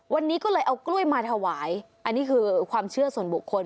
วันนี้ก็เลยเอากล้วยมาถวายอันนี้คือความเชื่อส่วนบุคคล